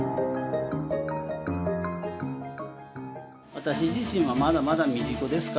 私自身はまだまだ未熟ですから。